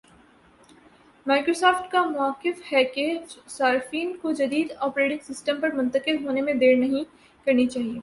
Microsoft کا مؤقف ہے کہ صارفین کو جدید آپریٹنگ سسٹم پر منتقل ہونے میں دیر نہیں کرنی چاہیے